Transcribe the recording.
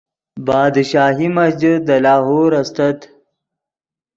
بادشاہی مسجد دے لاہور استت